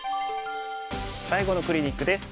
最後のクリニックです。